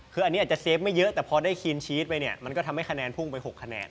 คืออันนี้อาจจะเฟฟไม่เยอะแต่พอได้คีนชีสไปเนี่ยมันก็ทำให้คะแนนพุ่งไป๖คะแนน